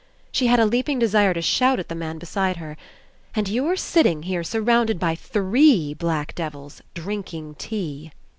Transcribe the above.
She had a leaping desire to shout at the man beside her: "And you're sitting here surrounded by three black devils, drinking tea."